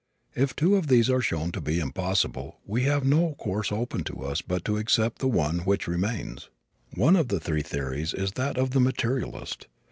If two of these are shown to be impossible we have no course open to us but to accept the one which remains. One of the three theories is that of the materialist.